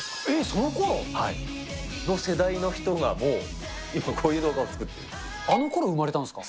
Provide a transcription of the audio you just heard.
そのころ？の世代の人がもう、こういうあのころ生まれたんですか？